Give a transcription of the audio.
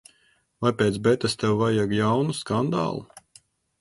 Vai pēc Betas tev vajag jaunu skandālu?